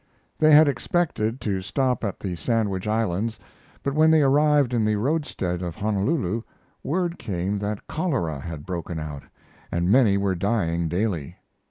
They had expected to stop at the Sandwich Islands, but when they arrived in the roadstead of Honolulu, word came that cholera had broken out and many were dying daily.